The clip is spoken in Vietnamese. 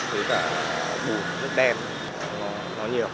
với cả bụi nước đen nó nhiều